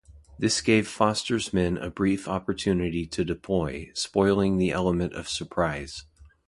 This gave Foster's men a brief opportunity to deploy, spoiling the element of surprise.